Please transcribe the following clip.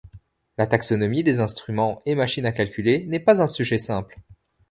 La taxonomie des instruments et machines à calculer n'est pas un sujet simple.